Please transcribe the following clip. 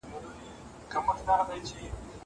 زه مخکي ليکنې کړي وو!